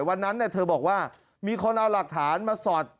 วันนั้นเธอบอกว่ามีคนเอาหลักฐานมาสอด